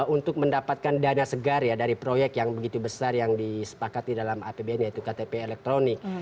untuk mendapatkan dana segar ya dari proyek yang begitu besar yang disepakati dalam apbn yaitu ktp elektronik